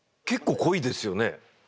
結構濃いですよね。